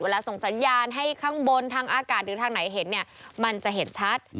ส่งสัญญาณให้ข้างบนทางอากาศหรือทางไหนเห็นเนี่ยมันจะเห็นชัด